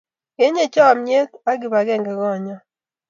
kinyei chomyet ak kibagenge kootnyo